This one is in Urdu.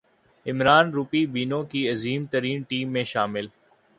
عمران رچی بینو کی عظیم ترین ٹیم میں شامل